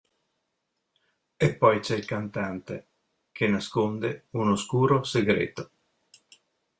E poi c'è il cantante, che nasconde un oscuro segreto.